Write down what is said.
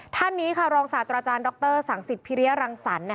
ท่านนี้ค่ะรองศาสตราจารย์ดรสังสิทธิพิริยรังสรรค์